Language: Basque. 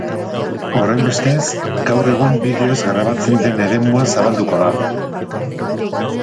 Horrenbestez, gaur egun bideoz grabatzen den eremua zabalduko da.